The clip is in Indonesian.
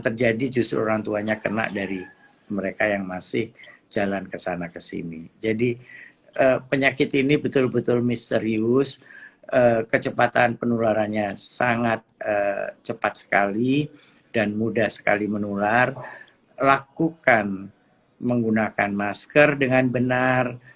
selihat di jalan dengan gagah nyata menggunakan masker